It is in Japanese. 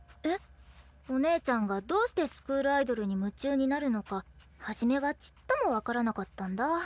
お姉ちゃんがどうしてスクールアイドルに夢中になるのか初めはちっとも分からなかったんだ。